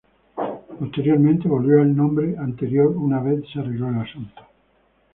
Posteriormente, volvió al nombre anterior una vez se arregló el asunto.